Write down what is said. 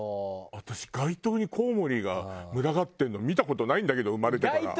私街灯にコウモリが群がってるの見た事ないんだけど生まれてから。